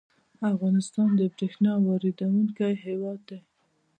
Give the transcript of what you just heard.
افغانستان د بریښنا واردونکی هیواد دی